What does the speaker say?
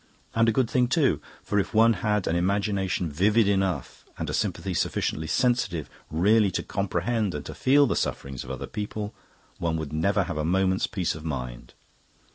And a good thing too; for if one had an imagination vivid enough and a sympathy sufficiently sensitive really to comprehend and to feel the sufferings of other people, one would never have a moment's peace of mind.